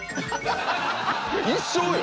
一生よ。